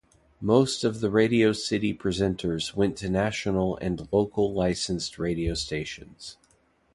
Most of the Radio City presenters went to national and local licensed radio stations.